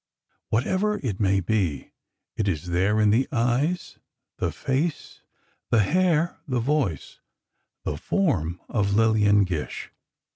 Whatever it may be, it is there in the eyes, the face, the hair, the voice, the form of Lillian Gish.